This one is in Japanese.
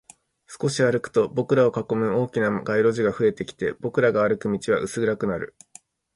少し歩くと、僕らを囲む大きな街路樹が増えてきて、僕らが歩く道は薄暗くなる